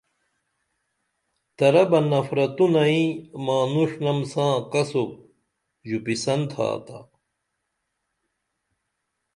ترہ بہ نفرتونئیں مانوݜنم ساں قصُب ژوپیسن تھاتا